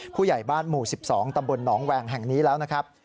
ผู้ใหญ่บ้านหมู่๑๒ตำบลหนองแวงแห่งนี้แล้วนะครับ